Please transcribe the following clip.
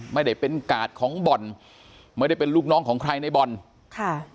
ไม่ได้เป็นกาดของบ่อนไม่ได้เป็นลูกน้องของใครในบ่อนค่ะ